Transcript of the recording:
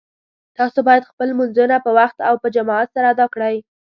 تاسو باید خپل لمونځونه په وخت او په جماعت سره ادا کړئ